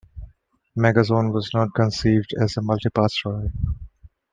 "Megazone" was not conceived as a multi-part story.